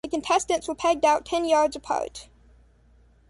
The contestants were pegged out ten yards apart.